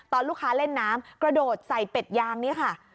ลูกค้าเล่นน้ำกระโดดใส่เป็ดยางนี่ค่ะ